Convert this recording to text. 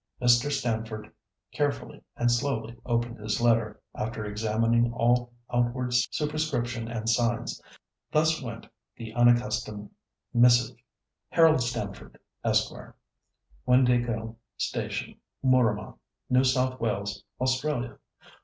Mr. Stamford carefully and slowly opened his letter, after examining all outward superscription and signs. Thus went the unaccustomed missive:— "HAROLD STAMFORD, ESQ., "Windāhgil Station, Mooramah, "New South Wales, Australia.